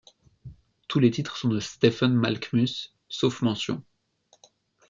Tous les titres sont de Stephen Malkmus, sauf mention.